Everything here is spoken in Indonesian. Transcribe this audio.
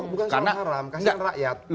bukan sesuatu yang haram kasihan rakyat